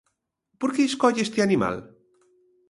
Por que escolle este animal?